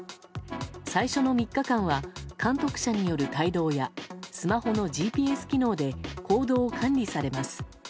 最初の３日間は監督者による帯同やスマホのＧＰＳ機能で行動を管理されます。